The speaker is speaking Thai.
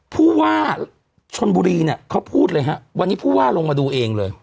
ผู้ว่าชนบุรีเนี่ยเขาพูดเลยฮะวันนี้ผู้ว่าลงมาดูเองเลย